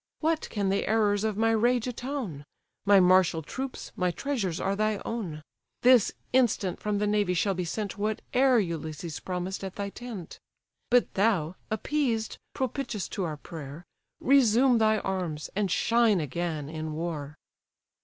What can the errors of my rage atone? My martial troops, my treasures are thy own: This instant from the navy shall be sent Whate'er Ulysses promised at thy tent: But thou! appeased, propitious to our prayer, Resume thy arms, and shine again in war."